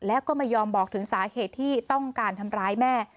แล้วก็ไม่ยอมบอกถึงสาเหตุที่ต้องการทำร้ายแม่